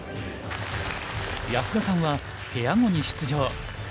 安田さんはペア碁に出場。